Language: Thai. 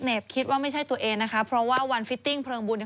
คิดว่าไม่ใช่ตัวเองนะคะเพราะว่าวันฟิตติ้งเพลิงบุญเนี่ย